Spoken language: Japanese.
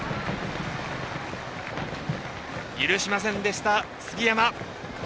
許しませんでした、杉山。